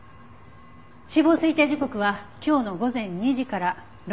死亡推定時刻は今日の午前２時から６時の間です。